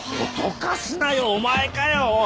脅かすなよお前かよ！